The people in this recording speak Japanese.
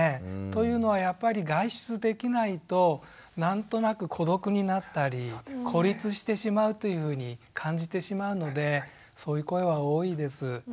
というのはやっぱり外出できないと何となく孤独になったり孤立してしまうというふうに感じてしまうのでそういう声は多いです。